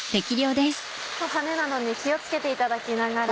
跳ねなどに気を付けていただきながら。